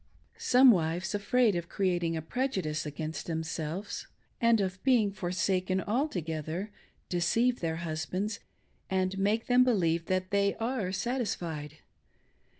Some wives, afraid of creating a prejudice against themselves and of being forsaken altogether, deceive their husbands, and make them believe that they are satisfied.